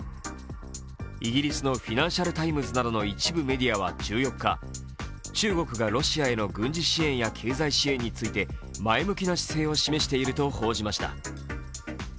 イギリスの「フィナンシャル・タイムズ」などの一部メディアは１４日、中国がロシアへの軍事支援や経済支援について前向きな姿勢を示していると報じました。